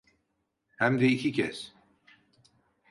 Hem de iki kez.